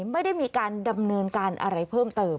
ไม่ได้มีการดำเนินการอะไรเพิ่มเติม